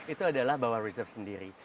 itu adalah bahwa reserve sendiri